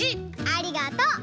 ありがとう！